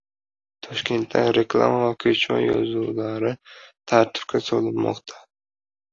Toshkentda reklama va ko‘cha yozuvlari tartibga solinmoqda